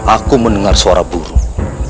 aku mendengar suara burung